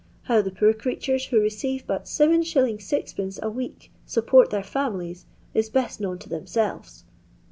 How the poor creatures who receive but 7s. M. a week support their fitmilies, is best known to themselves."